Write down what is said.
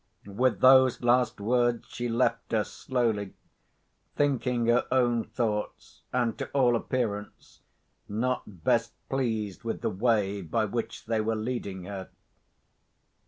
With those last words she left us slowly; thinking her own thoughts, and, to all appearance, not best pleased with the way by which they were leading her.